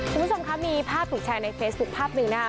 ทุกผู้ชมค้ะมีภาพทุกแชร์หนึ่งในเฟสบุ๊คภาพเน้งนะคะ